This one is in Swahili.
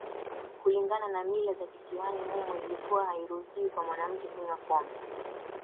Kulingana na mila za Kisiwani humo ilikua hairuhusiwi kwa mwanamke kunywa pombe